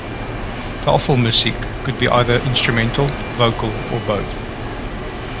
"Tafelmusik" could be either instrumental, vocal, or both.